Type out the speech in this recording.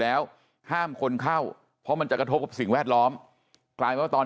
แล้วห้ามคนเข้าเพราะมันจะกระทบกับสิ่งแวดล้อมกลายเป็นว่าตอน